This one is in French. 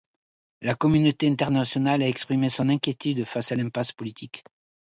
La communauté internationale a exprimé son inquiétude face à l’impasse politique.